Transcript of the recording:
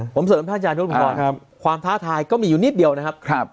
ผมเสริมท่านอาจารย์ยุทธพรความท้าทายก็มีอยู่นิดเดียวนะครับ